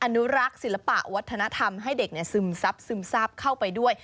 อนุรักษ์ศิลปะวัฒนธรรมให้เด็กซึมซับซึมซับเข้าไปด้วย